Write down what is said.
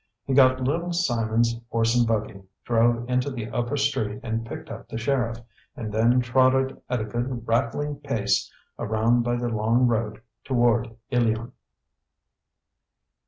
He got little Simon's horse and buggy, drove into the upper street and picked up the sheriff, and then trotted at a good rattling pace around by the long road toward Ilion.